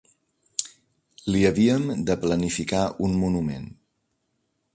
L'hi havíem de plantificar un monument.